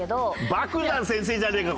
莫山先生じゃねえか！